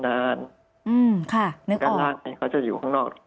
การล่างเขาจะอยู่ข้างนอก